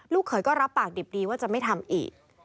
เขยก็รับปากดิบดีว่าจะไม่ทำอีก